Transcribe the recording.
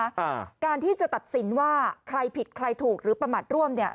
อ่าการที่จะตัดสินว่าใครผิดใครถูกหรือประมาทร่วมเนี้ย